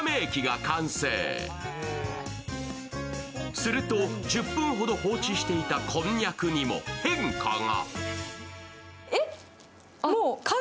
すると、１０分ほど放置していたこんにゃくにも変化が。